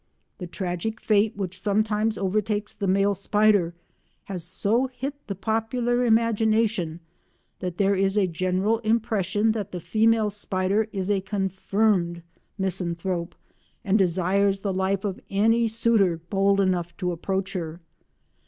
The tragic fate which sometimes overtakes the male spider has so hit the popular imagination that there is a general impression that the female spider is a confirmed misanthrope and desires the life of any suitor bold enough to approach her.